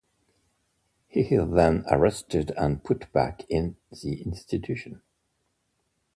He is then arrested and put back in the institution.